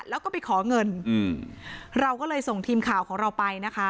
แล้วก็ไปขอเงินอืมเราก็เลยส่งทีมข่าวของเราไปนะคะ